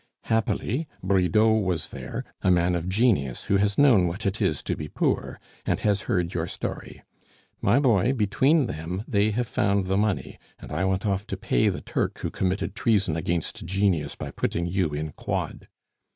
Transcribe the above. Happily, Bridau was there a man of genius, who has known what it is to be poor, and has heard your story. My boy, between them they have found the money, and I went off to pay the Turk who committed treason against genius by putting you in quod.